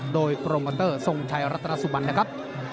โดยกรมเว็ตเซอร์ทรงไทยรัฐนะครับ